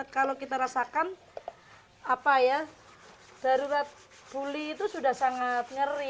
kalau kita rasakan darurat puli itu sudah sangat ngeri